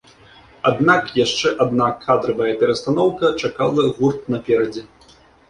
Аднак яшчэ адна кадравая перастаноўка чакала гурт наперадзе.